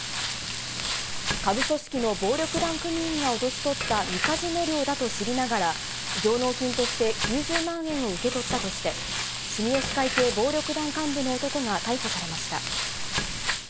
下部組織の暴力団組員が脅し取ったみかじめ料だと知りながら、上納金として９０万円を受け取ったとして、住吉会系暴力団の幹部の男が逮捕されました。